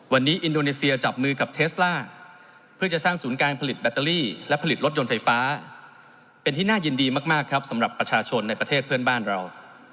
วันนี้อินโดนีเซียจับมือกับเทสล่าเพื่อจะสร้างศูนย์การผลิตแบตเตอรี่และผลิตรถยนต์ไฟฟ้าเป็นที่น่ายินดีมากครับสำหรับประชาชนในประเทศเพื่อนบ้านเรา